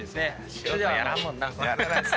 素人はやらんもんな。